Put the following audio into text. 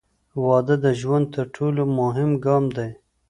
• واده د ژوند تر ټولو مهم ګام دی.